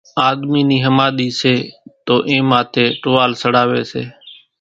آۮمي نِي ۿماۮِي سي تو اين ماٿيَ ٽوال سڙاوي سي